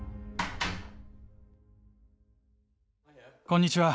こんにちは。